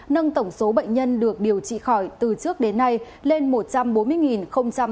nâng tổng số bệnh nhân được điều trị khỏi từ trước đến nay lên một trăm bốn mươi tám mươi bảy ca